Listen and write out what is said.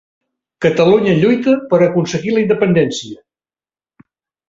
Catalunya lluita per aconseguir la independència